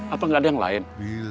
apa nggak ada yang lain